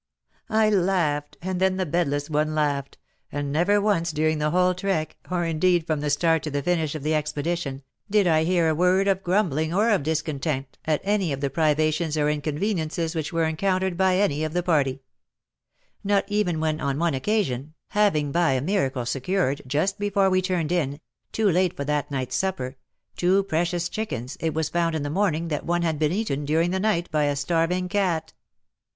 " I laughed, and then the bedless one laughed, and never once during the whole trek, or indeed from the start to the finish of the expedition, did I hear a word of grumbling or of discontent at any of the privations or inconveniences which were encountered by any of the party. Not even when on one occasion, having by a My Ox, just after he has eaten my Bed. « e « c t t ', c C P 9 Convoy Corps on Trek — Breakfast Outspan. WAR AND WOMEN 89 miracle secured, just before we turned in — too late for that night's supper — two precious chickens, it was found in the morning that one had been eaten during the night by a starving cat.